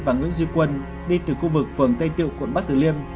và nguyễn di quân đi từ khu vực phường tây tiệu quận bắc từ liêm